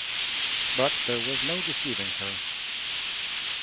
But there was no deceiving her.